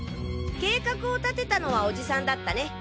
計画を立てたのはおじさんだったね？